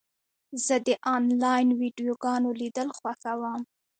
زه د انلاین ویډیوګانو لیدل خوښوم.